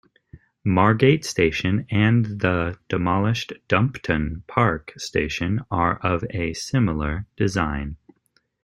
Margate station and the demolished Dumpton Park station are of a similar design.